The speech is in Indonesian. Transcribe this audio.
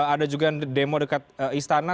ada juga yang demo dekat istana